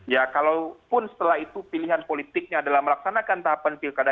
ya kalaupun setelah itu pilihan politiknya adalah melaksanakan tahapan pilkada